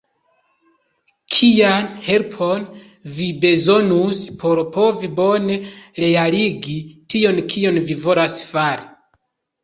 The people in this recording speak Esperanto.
Kian helpon vi bezonus por povi bone realigi tion kion vi volas fari?